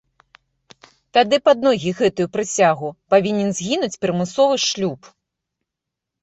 Тады пад ногі гэтую прысягу, павінен згінуць прымусовы шлюб.